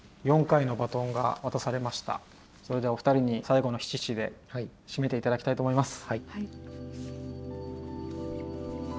それではお二人に最後の七七で締めて頂きたいと思います。